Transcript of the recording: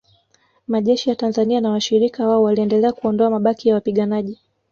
Majeshi ya Tanzania na washirika wao waliendelea kuondoa mabaki ya wapiganaji